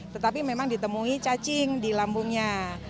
tetapi memang ditemui cacing di lambungnya